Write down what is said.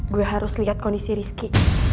gue harus lihat kondisi rizky